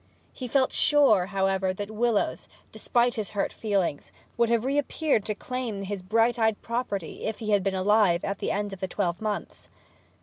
He felt pretty sure, however, that Willowes, despite his hurt feelings, would have reappeared to claim his bright eyed property if he had been alive at the end of the twelve months.